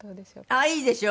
ああいいですよ